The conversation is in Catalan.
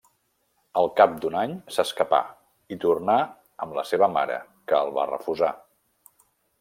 Al cap d'un any s'escapà i tornà amb la seva mare, que el va refusar.